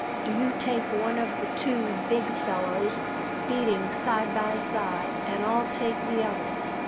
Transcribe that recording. Do you take one of the two big fellows feeding side by side, and I'll take the other.